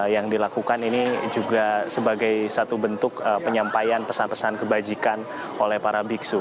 yang dilakukan ini juga sebagai satu bentuk penyampaian pesan pesan kebajikan oleh para biksu